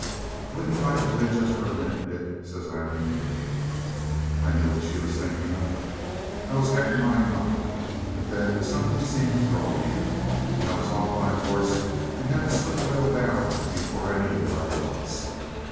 'Wouldn't you like to go in just for a minute, Dick?' says Aileen. I knew what she was thinking of. I was half a mind not, but then something seemed to draw me, and I was off my horse and had the slip rail down before I knew where I was.